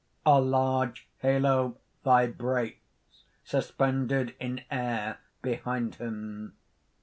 _) (_A large halo vibrates, suspended in air behind him.